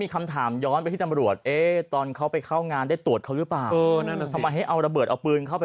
ความรู้จักผิดฉันแหวะร้านนี้นะครับ